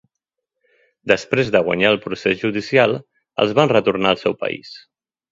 Després de guanyar el procés judicial, els van retornar al seu país.